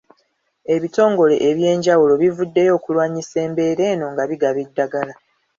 Ebitongole eby'enjawulo bivuddeyo okulwanyisa embeera eno nga bigaba eddagala